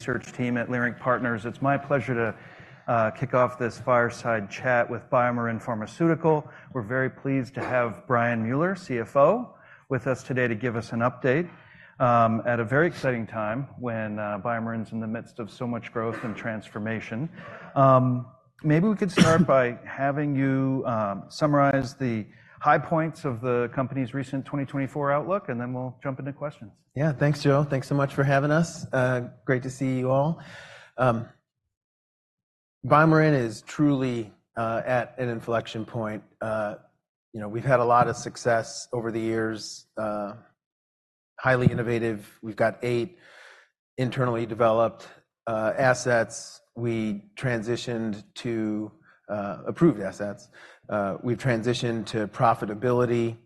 Research team at Leerink Partners. It's my pleasure to kick off this fireside chat with BioMarin Pharmaceutical. We're very pleased to have Brian Mueller, CFO, with us today to give us an update at a very exciting time when BioMarin is in the midst of so much growth and transformation. Maybe we could start by having you summarize the high points of the company's recent 2024 outlook, and then we'll jump into questions. Yeah, thanks, Joe. Thanks so much for having us. Great to see you all. BioMarin is truly at an inflection point. We've had a lot of success over the years. Highly innovative. We've got eight internally developed assets. We transitioned to approved assets. We've transitioned to profitability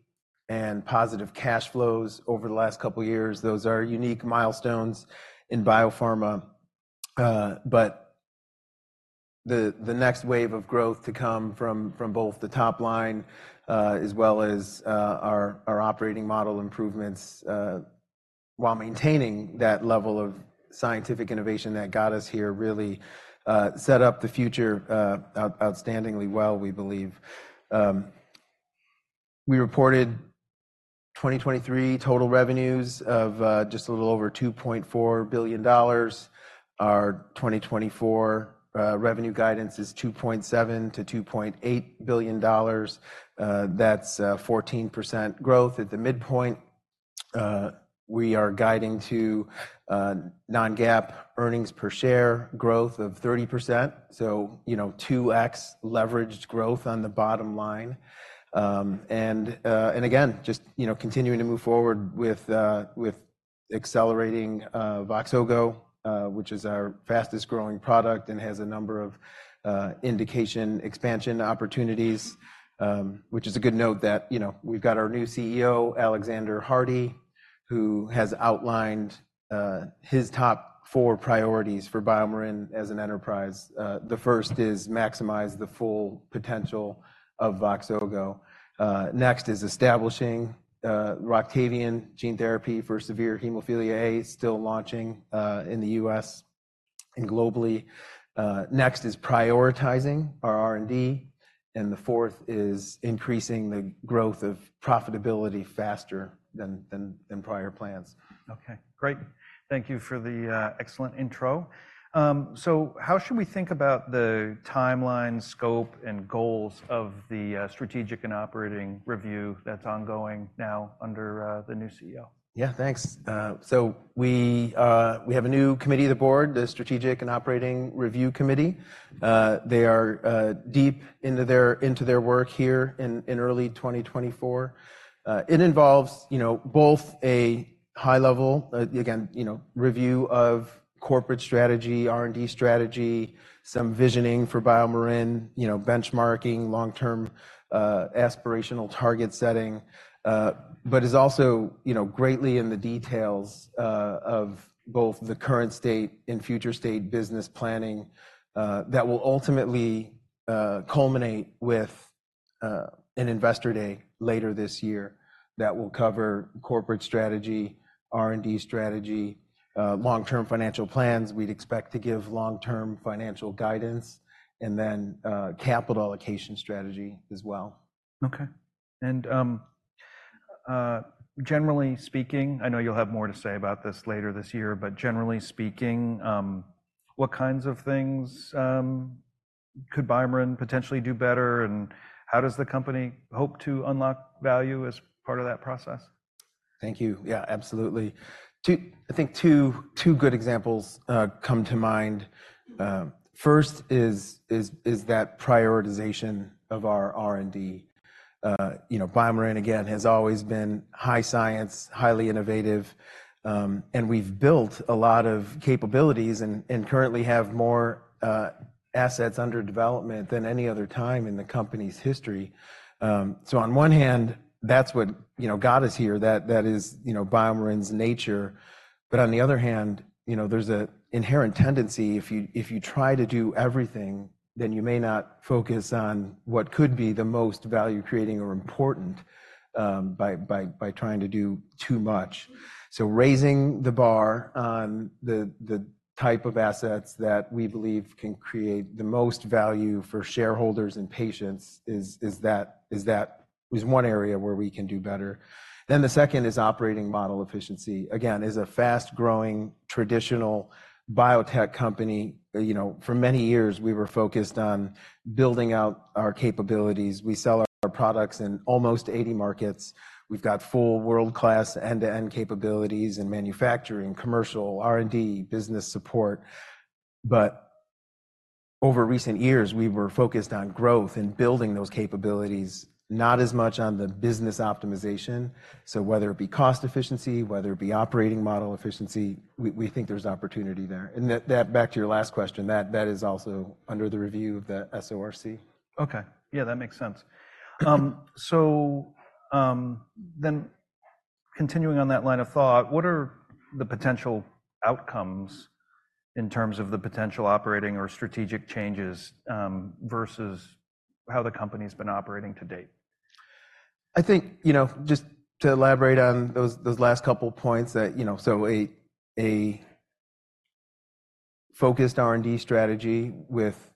and positive cash flows over the last couple of years. Those are unique milestones in biopharma. But the next wave of growth to come from both the top line as well as our operating model improvements while maintaining that level of scientific innovation that got us here really set up the future outstandingly well, we believe. We reported 2023 total revenues of just a little over $2.4 billion. Our 2024 revenue guidance is $2.7-$2.8 billion. That's 14% growth at the midpoint. We are guiding to non-GAAP earnings per share growth of 30%. So 2x leveraged growth on the bottom line. And again, just continuing to move forward with accelerating VOXZOGO, which is our fastest growing product and has a number of indication expansion opportunities. Which is a good note that we've got our new CEO, Alexander Hardy, who has outlined his top four priorities for BioMarin as an enterprise. The first is maximize the full potential of VOXZOGO. Next is establishing ROCTAVIAN gene therapy for severe hemophilia A, still launching in the U.S. and globally. Next is prioritizing our R&D. And the fourth is increasing the growth of profitability faster than prior plans. Okay, great. Thank you for the excellent intro. So how should we think about the timeline, scope, and goals of the strategic and operating review that's ongoing now under the new CEO? Yeah, thanks. So we have a new committee of the board, the Strategic and Operating Review Committee. They are deep into their work here in early 2024. It involves both a high-level, again, review of corporate strategy, R&D strategy, some visioning for BioMarin, benchmarking, long-term aspirational target setting, but is also greatly in the details of both the current state and future state business planning that will ultimately culminate with an investor day later this year that will cover corporate strategy, R&D strategy, long-term financial plans. We'd expect to give long-term financial guidance, and then capital allocation strategy as well. Okay. Generally speaking, I know you'll have more to say about this later this year, but generally speaking, what kinds of things could BioMarin potentially do better? How does the company hope to unlock value as part of that process? Thank you. Yeah, absolutely. I think two good examples come to mind. First is that prioritization of our R&D. BioMarin, again, has always been high science, highly innovative. We've built a lot of capabilities and currently have more assets under development than any other time in the company's history. On one hand, that's what got us here. That is BioMarin's nature. On the other hand, there's an inherent tendency, if you try to do everything, then you may not focus on what could be the most value-creating or important by trying to do too much. Raising the bar on the type of assets that we believe can create the most value for shareholders and patients is one area where we can do better. The second is operating model efficiency. Again, as a fast-growing traditional biotech company, for many years we were focused on building out our capabilities. We sell our products in almost 80 markets. We've got full world-class end-to-end capabilities in manufacturing, commercial, R&D, business support. But over recent years we were focused on growth and building those capabilities, not as much on the business optimization. So whether it be cost efficiency, whether it be operating model efficiency, we think there's opportunity there. And back to your last question, that is also under the review of the SORC. Okay. Yeah, that makes sense. So then continuing on that line of thought, what are the potential outcomes in terms of the potential operating or strategic changes versus how the company's been operating to date? I think just to elaborate on those last couple of points that, so a focused R&D strategy with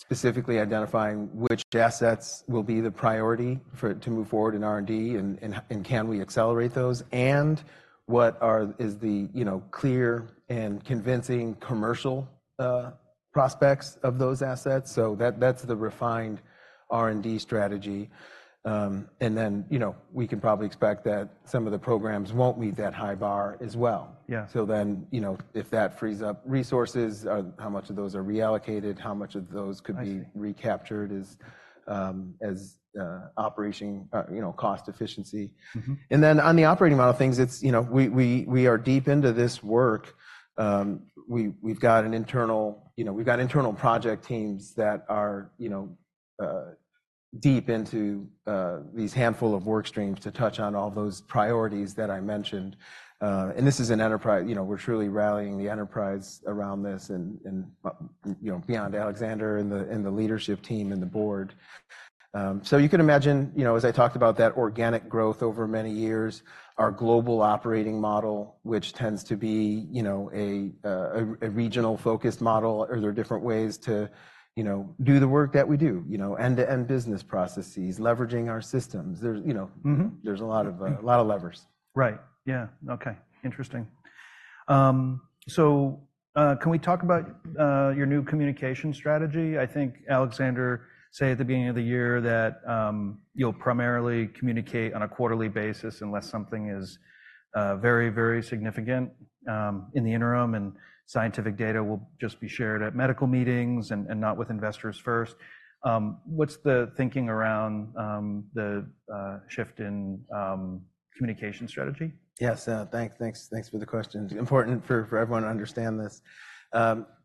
specifically identifying which assets will be the priority to move forward in R&D and can we accelerate those? And what is the clear and convincing commercial prospects of those assets? So that's the refined R&D strategy. And then we can probably expect that some of the programs won't meet that high bar as well. So then if that frees up resources, how much of those are reallocated? How much of those could be recaptured as operating cost efficiency? And then on the operating model things, we are deep into this work. We've got an internal project teams that are deep into these handful of work streams to touch on all those priorities that I mentioned. And this is an enterprise. We're truly rallying the enterprise around this and beyond Alexander and the leadership team and the board. So you can imagine, as I talked about that organic growth over many years, our global operating model, which tends to be a regional-focused model. Are there different ways to do the work that we do? End-to-end business processes, leveraging our systems. There's a lot of levers. Right. Yeah. Okay. Interesting. So can we talk about your new communication strategy? I think Alexander said at the beginning of the year that you'll primarily communicate on a quarterly basis unless something is very, very significant in the interim and scientific data will just be shared at medical meetings and not with investors first. What's the thinking around the shift in communication strategy? Yes. Thanks for the questions. Important for everyone to understand this.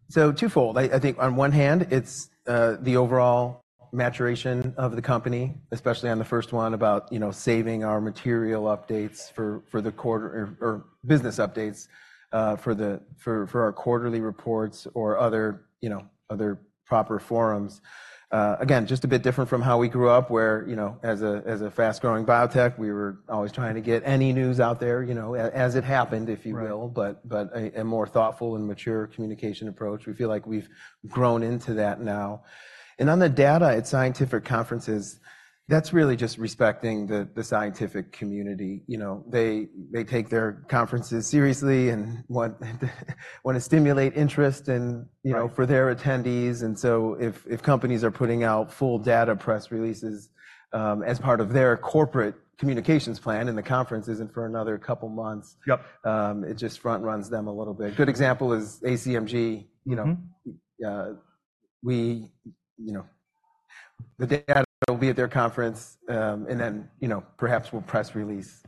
So twofold. I think on one hand, it's the overall maturation of the company, especially on the first one about saving our material updates for the quarter or business updates for our quarterly reports or other proper forums. Again, just a bit different from how we grew up where as a fast-growing biotech, we were always trying to get any news out there as it happened, if you will, but a more thoughtful and mature communication approach. We feel like we've grown into that now. And on the data at scientific conferences, that's really just respecting the scientific community. They take their conferences seriously and want to stimulate interest for their attendees. And so if companies are putting out full data press releases as part of their corporate communications plan in the conferences and for another couple of months, it just front-runs them a little bit. Good example is ACMG. The data will be at their conference and then perhaps we'll press release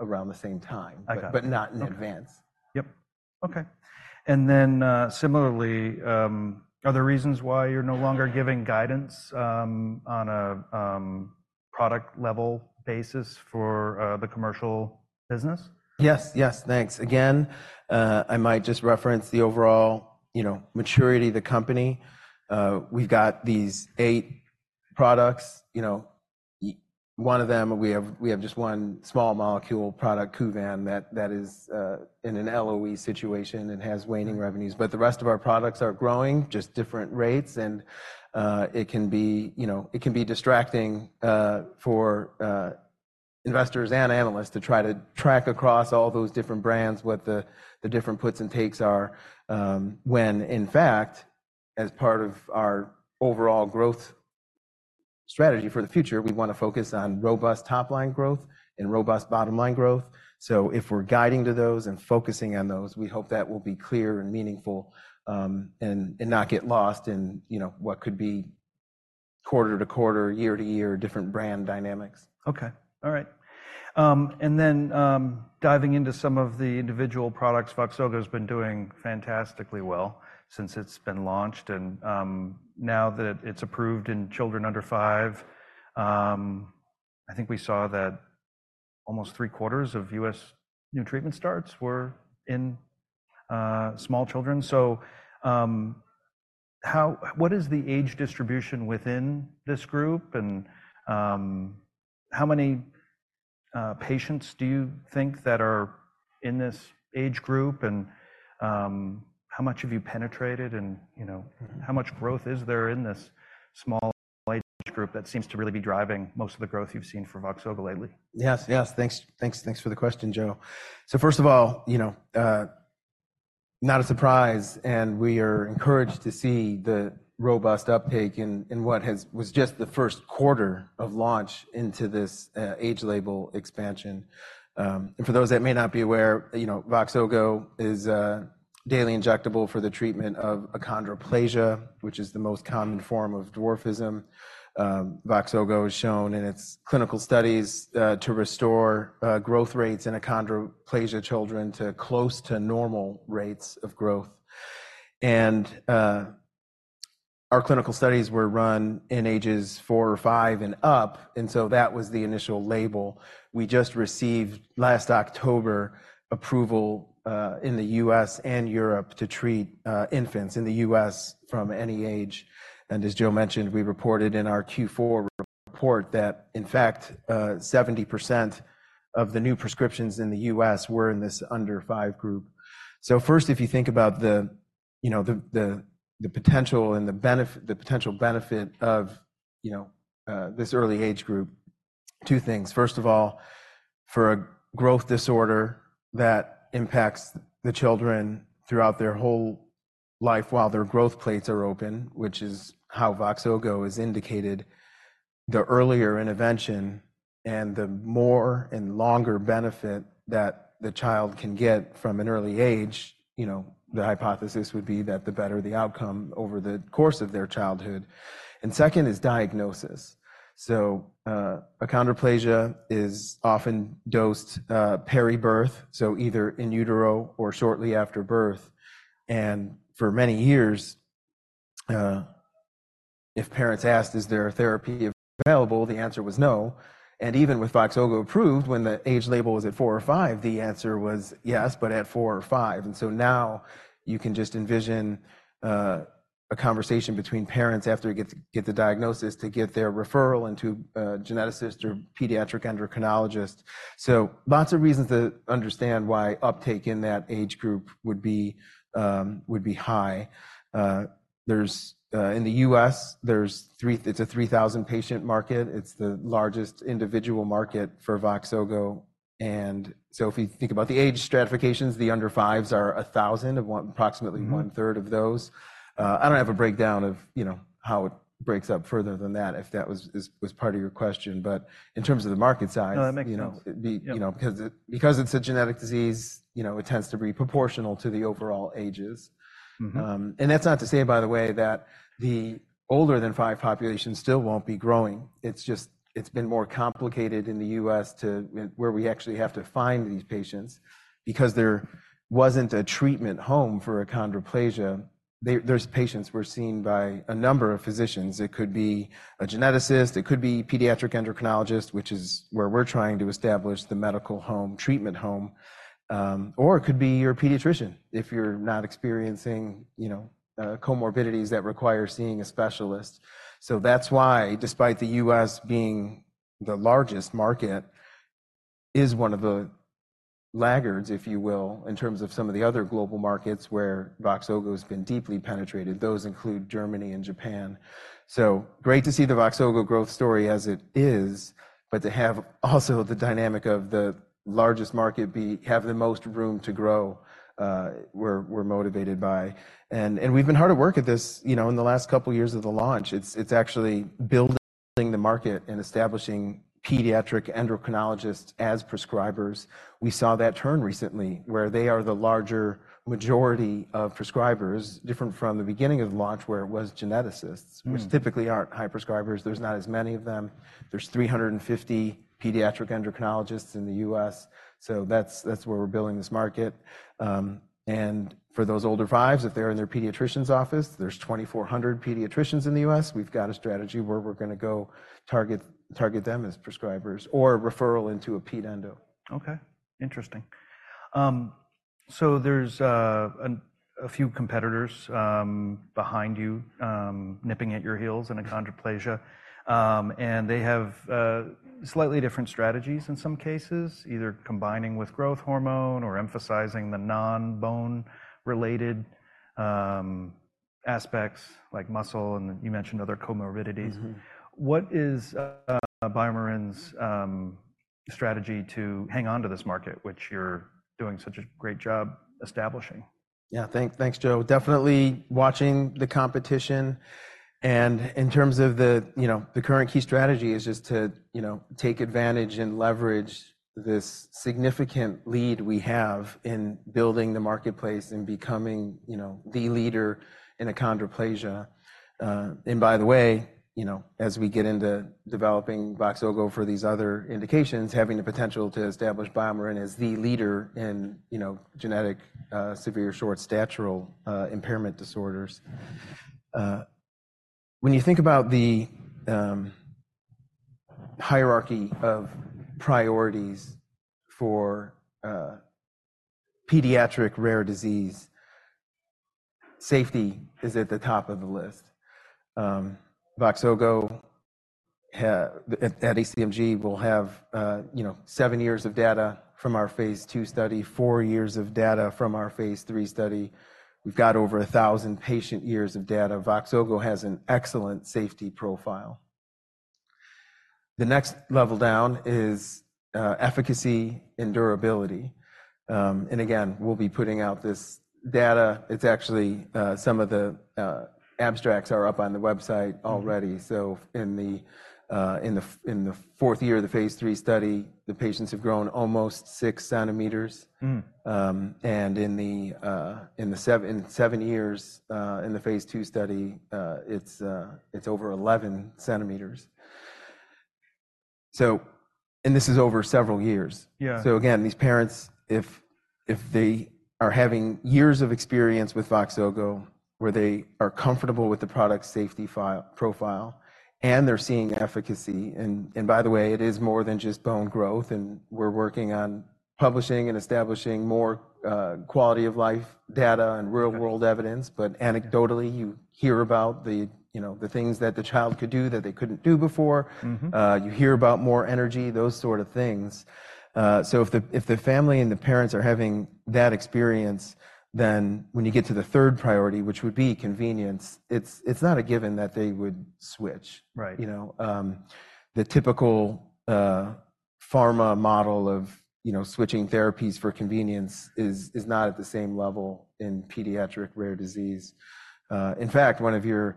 around the same time, but not in advance. Yep. Okay. And then similarly, are there reasons why you're no longer giving guidance on a product-level basis for the commercial business? Yes, yes. Thanks. Again, I might just reference the overall maturity of the company. We've got these eight products. One of them, we have just one small molecule product, Kuvan, that is in an LOE situation and has waning revenues. But the rest of our products are growing, just different rates. And it can be distracting for investors and analysts to try to track across all those different brands what the different puts and takes are. When in fact, as part of our overall growth strategy for the future, we want to focus on robust top-line growth and robust bottom-line growth. So if we're guiding to those and focusing on those, we hope that will be clear and meaningful and not get lost in what could be quarter to quarter, year to year, different brand dynamics. Okay. All right. And then diving into some of the individual products, VOXZOGO has been doing fantastically well since it's been launched. And now that it's approved in children under five, I think we saw that almost three-quarters of U.S. new treatment starts were in small children. So what is the age distribution within this group? And how many patients do you think that are in this age group? And how much have you penetrated? And how much growth is there in this small age group that seems to really be driving most of the growth you've seen for VOXZOGO lately? Yes, yes. Thanks for the question, Joe. So first of all, not a surprise. We are encouraged to see the robust uptake in what was just the first quarter of launch into this age label expansion. For those that may not be aware, VOXZOGO is daily injectable for the treatment of achondroplasia, which is the most common form of dwarfism. VOXZOGO has shown in its clinical studies to restore growth rates in achondroplasia children to close to normal rates of growth. Our clinical studies were run in ages four or five and up. That was the initial label. We just received last October approval in the U.S. and Europe to treat infants in the U.S. from any age. As Joe mentioned, we reported in our Q4 report that in fact, 70% of the new prescriptions in the U.S. were in this under-five group. So first, if you think about the potential and the potential benefit of this early age group, two things. First of all, for a growth disorder that impacts the children throughout their whole life while their growth plates are open, which is how VOXZOGO is indicated, the earlier intervention and the more and longer benefit that the child can get from an early age, the hypothesis would be that the better the outcome over the course of their childhood. And second is diagnosis. So achondroplasia is often diagnosed peri-birth, so either in utero or shortly after birth. And for many years, if parents asked, is there a therapy available? The answer was no. And even with VOXZOGO approved, when the age label was at four or five, the answer was yes, but at four or five. And so now you can just envision a conversation between parents after they get the diagnosis to get their referral into a geneticist or pediatric endocrinologist. So lots of reasons to understand why uptake in that age group would be high. In the U.S., it's a 3,000-patient market. It's the largest individual market for VOXZOGO. And so if you think about the age stratifications, the under-fives are 1,000, approximately one-third of those. I don't have a breakdown of how it breaks up further than that, if that was part of your question. But in terms of the market size, because it's a genetic disease, it tends to be proportional to the overall ages. And that's not to say, by the way, that the older than five population still won't be growing. It's just it's been more complicated in the U.S. where we actually have to find these patients. Because there wasn't a treatment home for achondroplasia, those patients were seen by a number of physicians. It could be a geneticist. It could be pediatric endocrinologist, which is where we're trying to establish the medical home, treatment home. Or it could be your pediatrician if you're not experiencing comorbidities that require seeing a specialist. So that's why, despite the U.S. being the largest market, it is one of the laggards, if you will, in terms of some of the other global markets where VOXZOGO has been deeply penetrated. Those include Germany and Japan. So great to see the VOXZOGO growth story as it is, but to have also the dynamic of the largest market have the most room to grow, we're motivated by. And we've been hard at work at this in the last couple of years of the launch. It's actually building the market and establishing pediatric endocrinologists as prescribers. We saw that turn recently where they are the larger majority of prescribers, different from the beginning of the launch where it was geneticists, which typically aren't high prescribers. There's not as many of them. There's 350 pediatric endocrinologists in the U.S. So that's where we're building this market. And for those older fives, if they're in their pediatrician's office, there's 2,400 pediatricians in the U.S. We've got a strategy where we're going to go target them as prescribers or referral into a ped endo. Okay. Interesting. So there's a few competitors behind you nipping at your heels in achondroplasia. And they have slightly different strategies in some cases, either combining with growth hormone or emphasizing the non-bone-related aspects like muscle and you mentioned other comorbidities. What is BioMarin's strategy to hang onto this market, which you're doing such a great job establishing? Yeah. Thanks, Joe. Definitely watching the competition. In terms of the current key strategy is just to take advantage and leverage this significant lead we have in building the marketplace and becoming the leader in achondroplasia. By the way, as we get into developing VOXZOGO for these other indications, having the potential to establish BioMarin as the leader in genetic severe short stature impairment disorders. When you think about the hierarchy of priorities for pediatric rare disease, safety is at the top of the list. VOXZOGO at ACMG will have 7 years of data from our phase II study, four years of data from our phase III study. We've got over 1,000 patient years of data. VOXZOGO has an excellent safety profile. The next level down is efficacy and durability. Again, we'll be putting out this data. It's actually, some of the abstracts are up on the website already. So in the fourth year of the phase III study, the patients have grown almost 6 centimeters. And in the seven years in the phase II study, it's over 11 centimeters. And this is over several years. So again, these parents, if they are having years of experience with VOXZOGO where they are comfortable with the product's safety profile and they're seeing efficacy. And by the way, it is more than just bone growth. And we're working on publishing and establishing more quality of life data and real-world evidence. But anecdotally, you hear about the things that the child could do that they couldn't do before. You hear about more energy, those sort of things. So if the family and the parents are having that experience, then when you get to the third priority, which would be convenience, it's not a given that they would switch. The typical pharma model of switching therapies for convenience is not at the same level in pediatric rare disease. In fact, one of your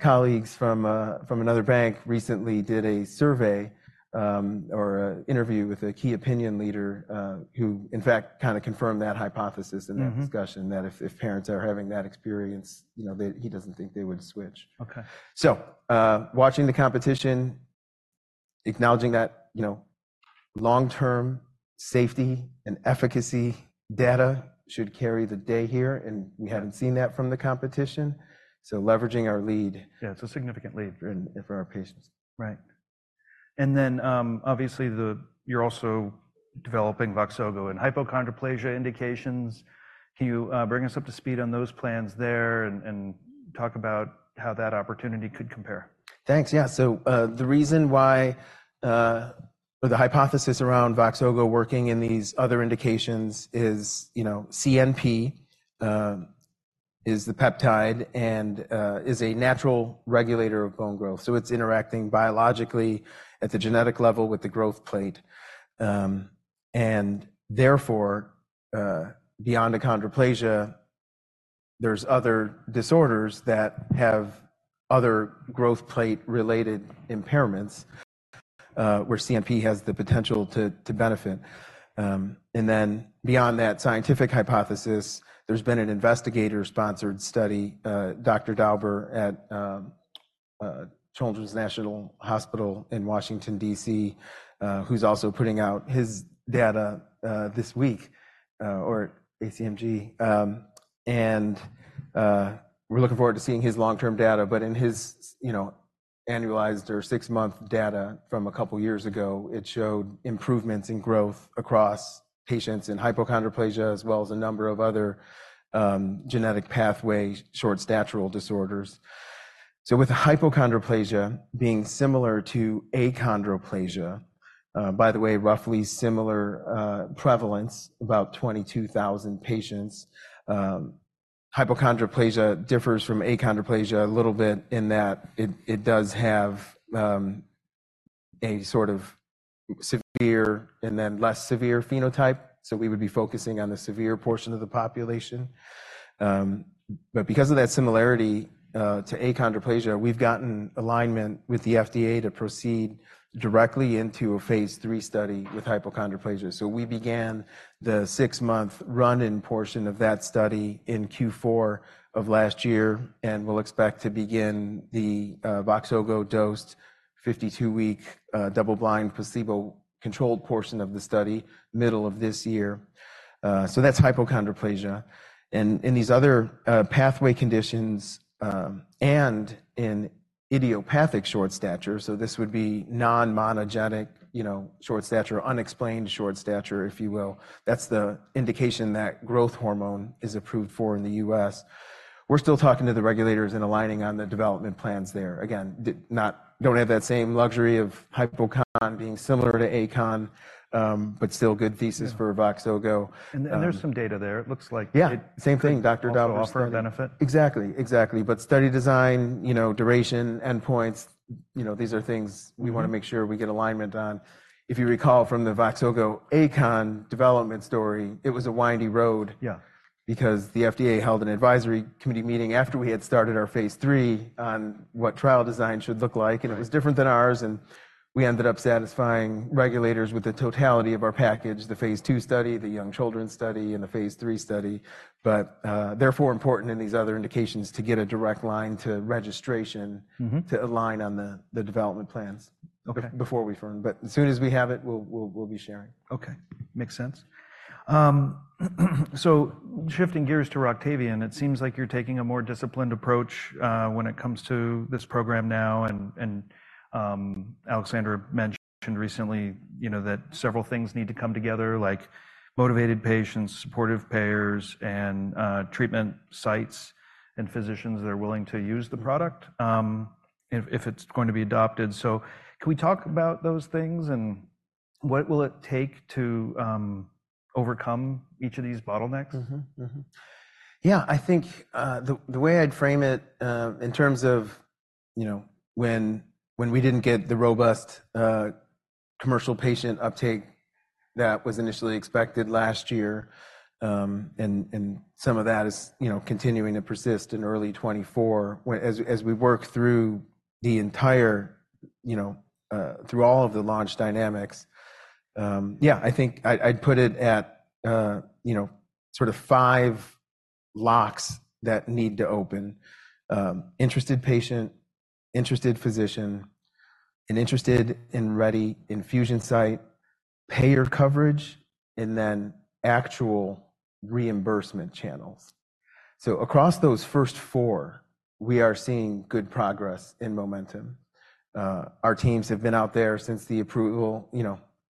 colleagues from another bank recently did a survey or an interview with a key opinion leader who, in fact, kind of confirmed that hypothesis in that discussion that if parents are having that experience, he doesn't think they would switch. So watching the competition, acknowledging that long-term safety and efficacy data should carry the day here. And we hadn't seen that from the competition. So leveraging our lead. Yeah. It's a significant lead for our patients. Right. And then obviously, you're also developing VOXZOGO and hypochondroplasia indications. Can you bring us up to speed on those plans there and talk about how that opportunity could compare? Thanks. Yeah. So the reason why or the hypothesis around VOXZOGO working in these other indications is CNP is the peptide and is a natural regulator of bone growth. So it's interacting biologically at the genetic level with the growth plate. And therefore, beyond achondroplasia, there's other disorders that have other growth plate-related impairments where CNP has the potential to benefit. And then beyond that scientific hypothesis, there's been an investigator-sponsored study, Dr. Dauber, at Children's National Hospital in Washington, D.C., who's also putting out his data this week or at ACMG. And we're looking forward to seeing his long-term data. But in his annualized or six-month data from a couple of years ago, it showed improvements in growth across patients in hypochondroplasia as well as a number of other genetic pathway short stature disorders. So with hypochondroplasia being similar to achondroplasia, by the way, roughly similar prevalence, about 22,000 patients. Hypochondroplasia differs from achondroplasia a little bit in that it does have a sort of severe and then less severe phenotype. So we would be focusing on the severe portion of the population. But because of that similarity to achondroplasia, we've gotten alignment with the FDA to proceed directly into a phase III study with hypochondroplasia. So we began the six-month run-in portion of that study in Q4 of last year. And we'll expect to begin the VOXZOGO dosed 52-week double-blind placebo-controlled portion of the study middle of this year. So that's hypochondroplasia. And in these other pathway conditions and in idiopathic short stature, so this would be non-monogenic short stature, unexplained short stature, if you will, that's the indication that growth hormone is approved for in the U.S. We're still talking to the regulators and aligning on the development plans there. Again, don't have that same luxury of hypochondroplasia being similar to achondroplasia, but still good thesis for VOXZOGO. There's some data there. It looks like. Yeah. Same thing. Dr. Dauber will offer a benefit. Exactly. Exactly. But study design, duration, endpoints, these are things we want to make sure we get alignment on. If you recall from the VOXZOGO achondroplasia development story, it was a windy road because the FDA held an advisory committee meeting after we had started our phase III on what trial design should look like. And it was different than ours. And we ended up satisfying regulators with the totality of our package, the phase II study, the young children study, and the phase III study, but therefore important in these other indications to get a direct line to registration to align on the development plans before we firm. But as soon as we have it, we'll be sharing. Okay. Makes sense. So shifting gears to ROCTAVIAN, it seems like you're taking a more disciplined approach when it comes to this program now. And Alexander mentioned recently that several things need to come together, like motivated patients, supportive payers, and treatment sites and physicians that are willing to use the product if it's going to be adopted. So can we talk about those things and what will it take to overcome each of these bottlenecks? Yeah. I think the way I'd frame it in terms of when we didn't get the robust commercial patient uptake that was initially expected last year, and some of that is continuing to persist in early 2024 as we work through all of the launch dynamics. Yeah. I think I'd put it at sort of five locks that need to open: interested patient, interested physician, an interested and ready infusion site, payer coverage, and then actual reimbursement channels. So across those first four, we are seeing good progress in momentum. Our teams have been out there since the approval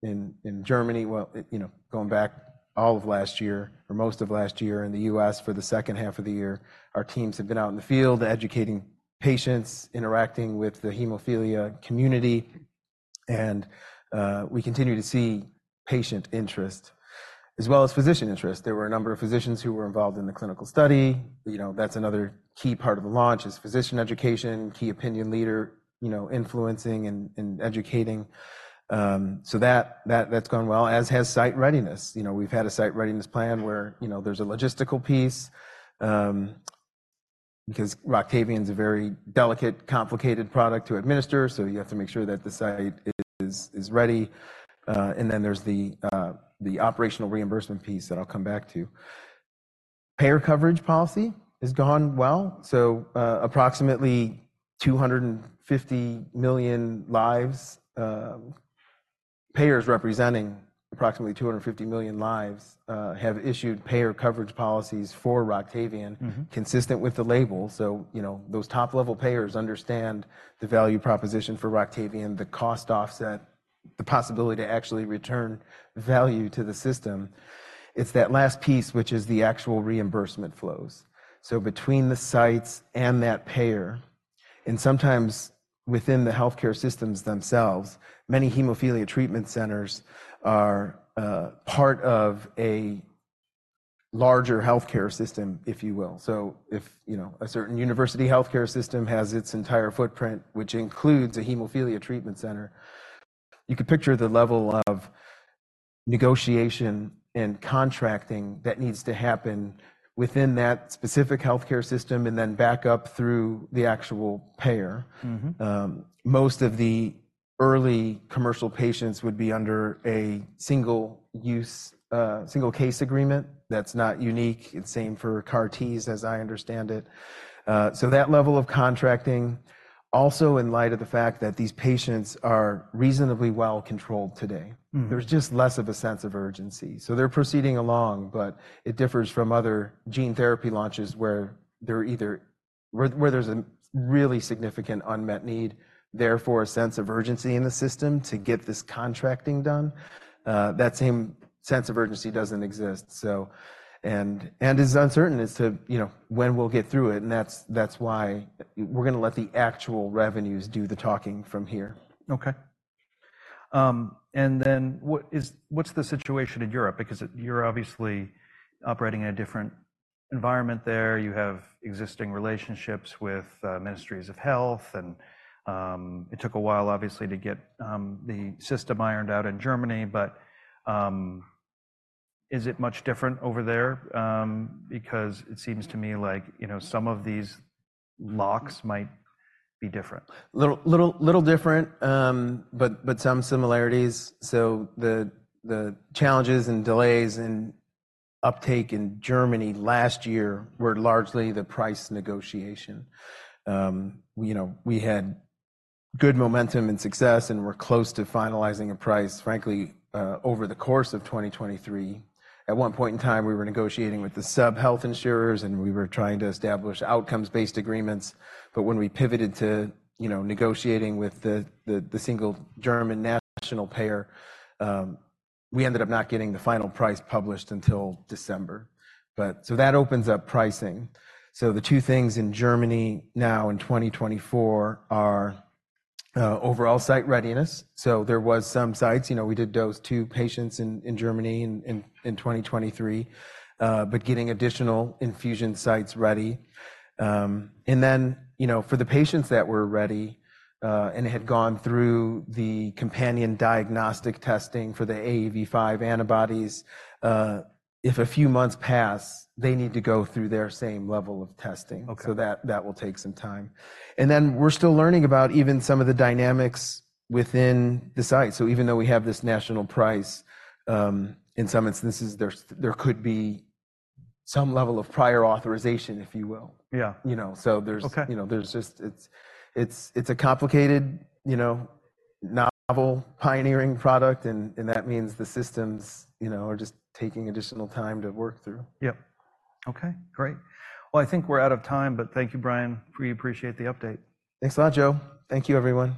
in Germany. Well, going back all of last year or most of last year in the U.S. for the second half of the year, our teams have been out in the field educating patients, interacting with the hemophilia community. And we continue to see patient interest as well as physician interest. There were a number of physicians who were involved in the clinical study. That's another key part of the launch is physician education, key opinion leader influencing and educating. So that's gone well, as has site readiness. We've had a site readiness plan where there's a logistical piece because ROCTAVIAN is a very delicate, complicated product to administer. So you have to make sure that the site is ready. And then there's the operational reimbursement piece that I'll come back to. Payer coverage policy has gone well. So approximately 250 million lives, payers representing approximately 250 million lives have issued payer coverage policies for ROCTAVIAN consistent with the label. So those top-level payers understand the value proposition for ROCTAVIAN, the cost offset, the possibility to actually return value to the system. It's that last piece, which is the actual reimbursement flows. So between the sites and that payer, and sometimes within the healthcare systems themselves, many hemophilia treatment centers are part of a larger healthcare system, if you will. So if a certain university healthcare system has its entire footprint, which includes a hemophilia treatment center, you could picture the level of negotiation and contracting that needs to happen within that specific healthcare system and then back up through the actual payer. Most of the early commercial patients would be under a single-use single-case agreement. That's not unique. It's the same for CAR-Ts as I understand it. So that level of contracting, also in light of the fact that these patients are reasonably well controlled today, there's just less of a sense of urgency. They're proceeding along, but it differs from other gene therapy launches where there's a really significant unmet need, therefore a sense of urgency in the system to get this contracting done. That same sense of urgency doesn't exist. It's uncertain as to when we'll get through it. That's why we're going to let the actual revenues do the talking from here. Okay. And then what's the situation in Europe? Because you're obviously operating in a different environment there. You have existing relationships with ministries of health. And it took a while, obviously, to get the system ironed out in Germany. But is it much different over there? Because it seems to me like some of these locks might be different. little different, but some similarities. So the challenges and delays in uptake in Germany last year were largely the price negotiation. We had good momentum and success and were close to finalizing a price, frankly, over the course of 2023. At one point in time, we were negotiating with the sub-health insurers and we were trying to establish outcomes-based agreements. But when we pivoted to negotiating with the single German national payer, we ended up not getting the final price published until December. So that opens up pricing. So the two things in Germany now in 2024 are overall site readiness. So there was some sites. We did dose two patients in Germany in 2023, but getting additional infusion sites ready. And then for the patients that were ready and had gone through the companion diagnostic testing for the AAV5 antibodies, if a few months pass, they need to go through their same level of testing. So that will take some time. And then we're still learning about even some of the dynamics within the site. So even though we have this national price, in some instances, there could be some level of prior authorization, if you will. So there's just it's a complicated, novel pioneering product. And that means the systems are just taking additional time to work through. Yep. Okay. Great. Well, I think we're out of time, but thank you, Brian. We appreciate the update. Thanks a lot, Joe. Thank you, everyone.